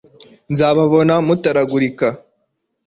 nzababona mutaragulika